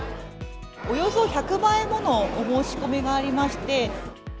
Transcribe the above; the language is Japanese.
およそ１００倍ものお申し込みがありまして。